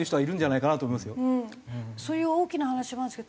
そういう大きな話もあるんですけど。